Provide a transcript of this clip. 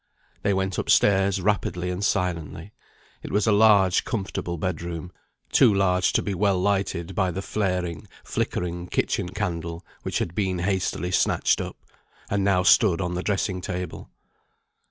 They went up stairs rapidly and silently. It was a large, comfortable bedroom; too large to be well lighted by the flaring, flickering kitchen candle which had been hastily snatched up, and now stood on the dressing table.